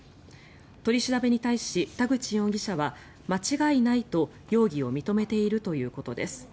取り調べに対し田口容疑者は間違いないと、容疑を認めているということです。